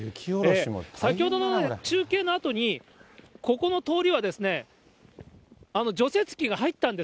先ほどの中継のあとに、ここの通りは、除雪機が入ったんです。